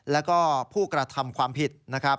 และก็ผู้กระทำความผิด